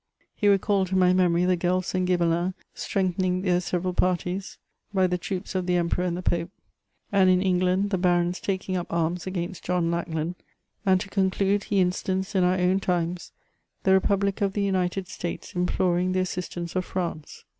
He recalled to my memory the Guelphs and Ghibelins strengthening their several parties by the troops of the emperor and t£e pope ; and in England, the barons taking up arms against John Lackland; and to conclude, he instanced, in our own times, the Republic of the United States imploring the assistance of France.